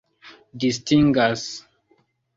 distingas